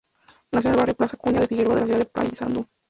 Nació en el barrio Plaza Acuña de Figueroa de la ciudad de Paysandú.